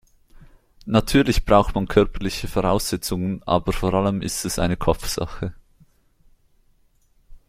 Natürlich braucht man körperliche Voraussetzungen, aber vor allem ist es eine Kopfsache.